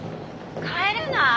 帰れない？